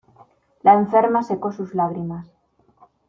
La enferma secó sus lágrimas.